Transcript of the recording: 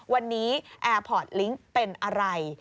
วันนี้แอร์พอร์ตลิงค์เป็นอะไร